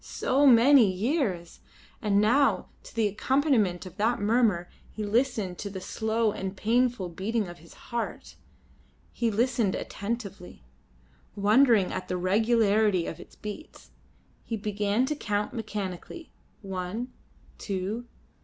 So many years! And now to the accompaniment of that murmur he listened to the slow and painful beating of his heart. He listened attentively, wondering at the regularity of its beats. He began to count mechanically. One, two.